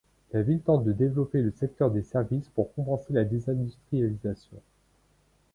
La ville tente de développer le secteur des services pour compenser la désindustrialisation.